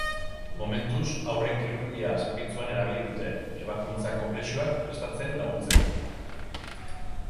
Momentuz, haurren kirurgia zerbitzuan erabili dute, ebakuntza konplexuak prestatzen laguntzeko.